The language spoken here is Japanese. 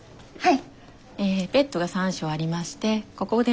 はい。